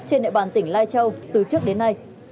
trên địa bàn tỉnh lai châu từ trước đến nay